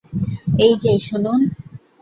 এই যে শুনুন।